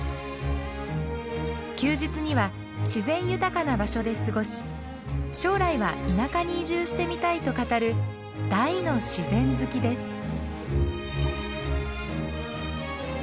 休日には自然豊かな場所で過ごし将来は田舎に移住してみたいと語る大の自然好きです。